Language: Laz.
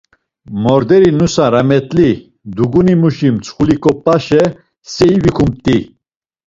Morderi nusa ramet̆li dugunimuşi mtsxuliǩopaşe sei vikumt̆i.